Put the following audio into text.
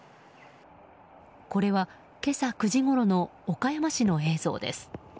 これは、今朝９時ごろの岡山市の映像です。